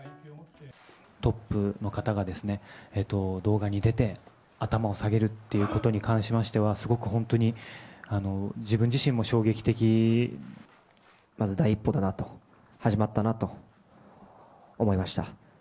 トップの方が動画に出て、頭を下げるということに関しましては、すごく本当に、まず第一歩だなと、始まったなと思いました。